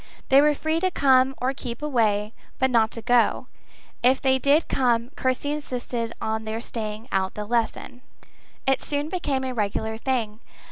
They were free to come or keep away, but not to go: if they did come, Kirsty insisted on their staying out the lesson. It soon became a regular thing.